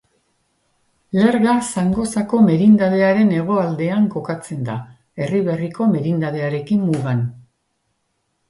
Lerga Zangozako merindadearen hegoaldean kokatzen da, Erriberriko merindadearekin mugan.